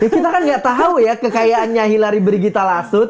kita kan gak tau ya kekayaannya hilary brigita lasut